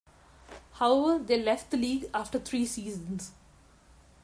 However, they left the league after three seasons.